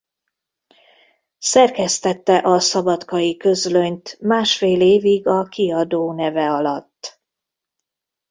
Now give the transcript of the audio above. Szerkesztette a Szabadkai Közlönyt másfél évig a kiadó neve alatt.